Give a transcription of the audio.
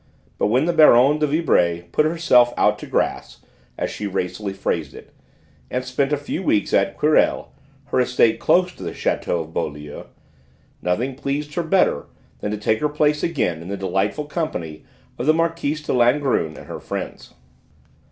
But when the Baronne de Vibray put herself out to grass, as she racily phrased it, and spent a few weeks at Querelles, her estate close to the château of Beaulieu, nothing pleased her better than to take her place again in the delightful company of the Marquise de Langrune and her friends.